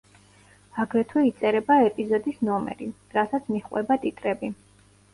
აგრეთვე იწერება ეპიზოდის ნომერი, რასაც მიჰყვება ტიტრები.